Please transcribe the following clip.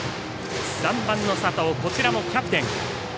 ３番の佐藤、こちらもキャプテン。